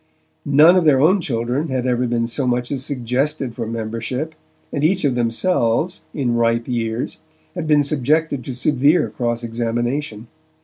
None of their own children had ever been so much as suggested for membership, and each of themselves, in ripe years, had been subjected to severe cross examination.